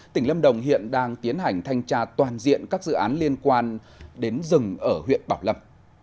tỉnh lâm đồng hiện đang tiến hành thanh tra toàn diện các dự án liên quan đến rừng ở huyện bảo lâm